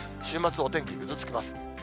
週末お天気ぐずつきます。